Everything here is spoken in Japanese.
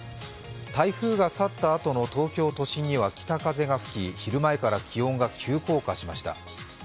台風が去ったあとの東京都心には北風が吹き、昼前から気温が急降下しました。